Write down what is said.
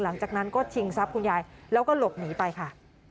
หลังจากนั้นก็ชิงทรัพย์คุณยายแล้วก็หลบหนีไปค่ะ